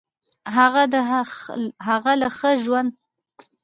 هغه له ښه ژوند کولو څخه پاتې کیږي.